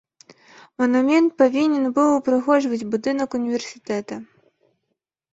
Манумент павінен быў упрыгожваць будынак універсітэта.